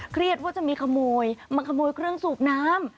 เครียดว่าจะมีขโมยมาขโมยเครื่องสูบน้ำ